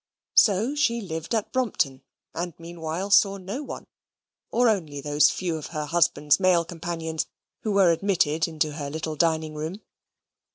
So she lived at Brompton, and meanwhile saw no one, or only those few of her husband's male companions who were admitted into her little dining room.